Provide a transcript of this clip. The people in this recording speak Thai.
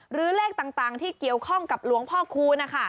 หรือเลขต่างที่เกี่ยวข้องกับหลวงพ่อคูณนะคะ